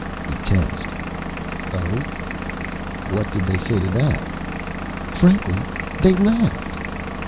He tensed. "Oh? What did they say to that?" "Frankly, they laughed."